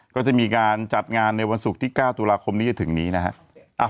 ก็จะมีการจัดงานในวันศุกร์ที่๙ตุลาคมนี้จะถึงนี้นะฮะ